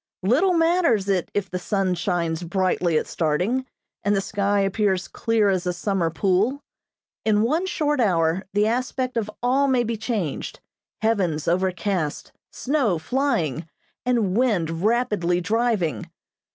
Little matters it if the sun shines brightly at starting, and the sky appears clear as a summer pool. In one short hour the aspect of all may be changed, heavens overcast, snow flying, and wind rapidly driving.